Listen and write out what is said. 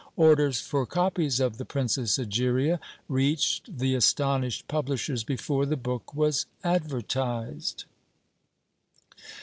Orders for copies of THE PRINCESS EGERIA reached the astonished publishers before the book was advertized.